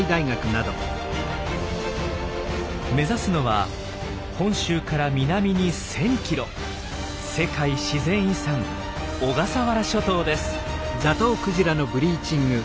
目指すのは本州から南に１，０００キロ世界自然遺産小笠原諸島です。